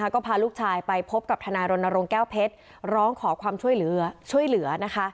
ก็พาลูกชายไปพบกับทนารณรณรงค์แก้วเพชรร้องขอความช่วยเหลือ